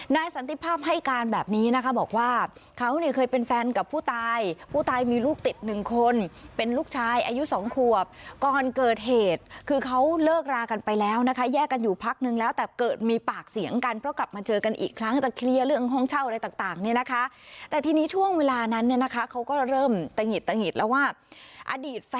สันติภาพให้การแบบนี้นะคะบอกว่าเขาเนี่ยเคยเป็นแฟนกับผู้ตายผู้ตายมีลูกติดหนึ่งคนเป็นลูกชายอายุสองขวบก่อนเกิดเหตุคือเขาเลิกรากันไปแล้วนะคะแยกกันอยู่พักนึงแล้วแต่เกิดมีปากเสียงกันเพราะกลับมาเจอกันอีกครั้งจะเคลียร์เรื่องห้องเช่าอะไรต่างเนี่ยนะคะแต่ทีนี้ช่วงเวลานั้นเนี่ยนะคะเขาก็เริ่มตะหิดตะหิดแล้วว่าอดีต